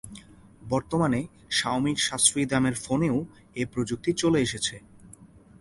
বর্তমানে শাওমির সাশ্রয়ী দামের ফোনেও এ প্রযুক্তি চলে এসেছে।